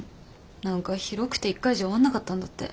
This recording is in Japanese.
何か広くて１回じゃ終わんなかったんだって。